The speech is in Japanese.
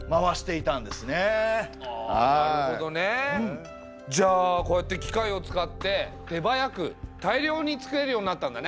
あなるほどね！じゃあこうやって機械を使って手早く大量に作れるようになったんだね。